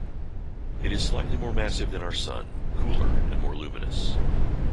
It is slightly more massive than our Sun, cooler and more luminous.